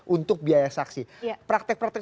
untuk biaya saksi praktek praktek